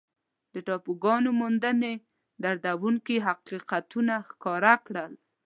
د ټاپوګانو موندنې دردونکي حقیقتونه ښکاره کړل.